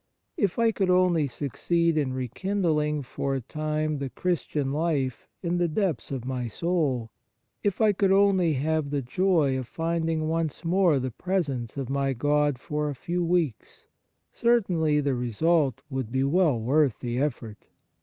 If I could only succeed in rekindling for a time the Christian life in the depths of my soul, if I could only have the joy of finding once more the presence of my God for a few weeks, certainly the result would be well worth the effort.